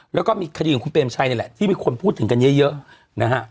แล้วก็มีคดีของคุณเปรมชัยนี่แหละที่มีคนพูดถึงกันเยอะนะฮะ